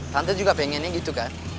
tante juga pengennya gitu kan